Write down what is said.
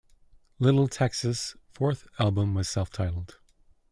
Little Texas' fourth album was self-titled.